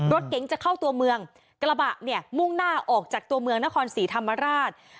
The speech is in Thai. รถเก๋งจะเข้าตัวเมืองกระบะเนี่ยมุ่งหน้าออกจากตัวเมืองนครศรีธรรมราช